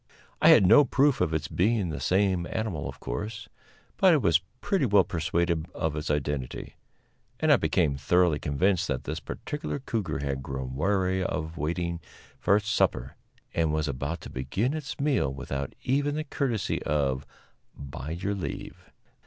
I had no proof of its being the same animal, of course, but I was pretty well persuaded of its identity, and I became thoroughly convinced that this particular cougar had grown weary of waiting for its supper, and was about to begin its meal without even the courtesy of "by your leave."